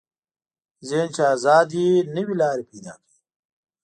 ذهن چې ازاد وي، نوې لارې پیدا کوي.